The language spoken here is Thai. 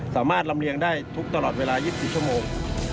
สามารถลำเรียงได้งานทำให้ทุกวันตลอดเวลา๒๐ชั่วโมง